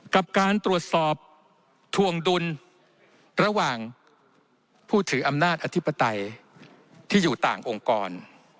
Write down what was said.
กับการตรวจสอบทวงดุลระหว่างผู้ถืออำนาจอธิปไตยที่อยู่ต่างองค์กร